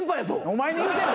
お前に言うてん。